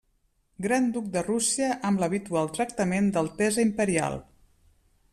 Gran duc de Rússia amb l'habitual tractament d'altesa imperial.